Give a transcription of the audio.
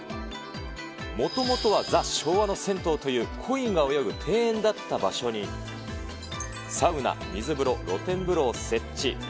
もともとはザ・昭和の銭湯という、コイが泳ぐ庭園だった場所に、サウナ、水風呂、露天風呂を設置。